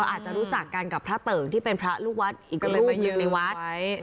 อาจจะรู้จักกันกับพระเติ่งที่เป็นพระลูกวัดอีกรูปหนึ่งในวัด